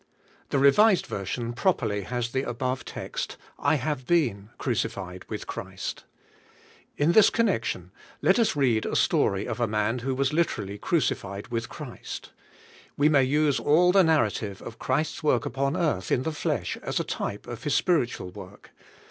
HE Revised Version properly has the above text "I have been crucified with Christ." In this connection, let us read the story of a man who was literally crucified with Christ. We may use all the narrative of Christ's work upon earth in the fiesh as a type of His spiritual work.